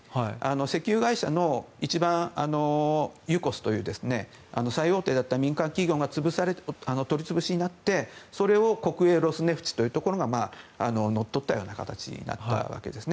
石油会社の一番、ユコスという最大手だった民間企業が取り潰しになってそれを国営ロスネフチというところが乗っ取ったような形になったわけです。